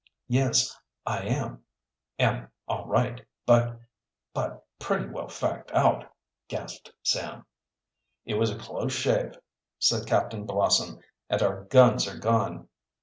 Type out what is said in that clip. "Yes, I am am all right, but but pretty well fagged out," gasped Sam. "It was a close shave," said Captain Blossom. "And our guns are gone."